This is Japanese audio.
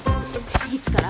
いつから？